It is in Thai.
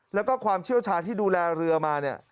แล้วก็ความเชี่ยวชาญที่ดูแลเรือมาเนี่ย